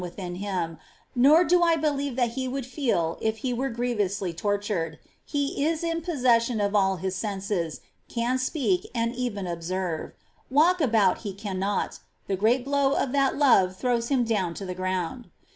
427 within him, nor do I believe that he would feel if he were grievously tortured : he is in possession of all his senses, can speak, and even observe; walk about he cannot, — the great blow of that love throws him down to the ground.